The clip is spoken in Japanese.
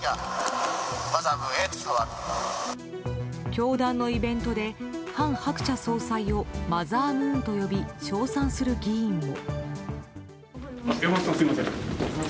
教団のイベントで韓鶴子総裁をマザームーンと呼び称賛する議員も。